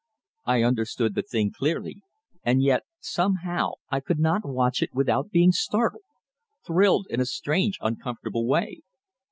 I understood the thing clearly; and yet, somehow, I could not watch it without being startled thrilled in a strange, uncomfortable way.